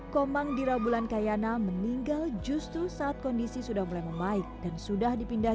komang dira bulan kayana meninggal justru saat kondisi sudah mulai membaik dan sudah dipindah